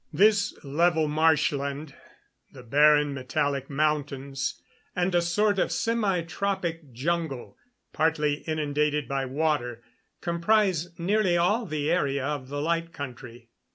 This level marshland, the barren, metallic mountains, and a sort of semitropic jungle, partly inundated by water, comprise nearly all the area of the Light Country.